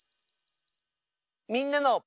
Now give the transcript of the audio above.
「みんなの」。